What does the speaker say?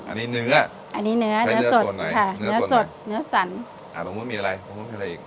อันนี้เนื้ออันนี้เนื้อเนื้อสดสดค่ะเนื้อสดเนื้อสันอ่าตรงนู้นมีอะไรตรงนู้นมีอะไรอีก